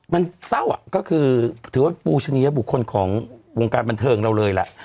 มันเศร้าอ่ะก็คือถือว่าปูชนียบุคคลของวงการบันเทิงเราเลยแหละ